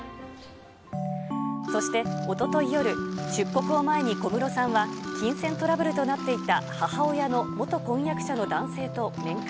そして、おととい夜、出国を前に、小室さんは金銭トラブルとなっていた母親の元婚約者の男性と面会。